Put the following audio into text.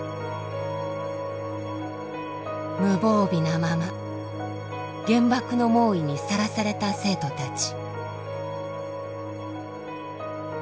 無防備なまま原爆の猛威にさらされた生徒たち。